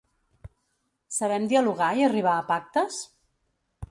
Sabem dialogar i arribar a pactes?.